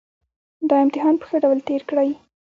دا امتحان په ښه ډول تېر کړئ